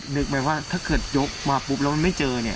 นึกไหมว่าถ้าเกิดยกมาปุ๊บเราไม่เจอ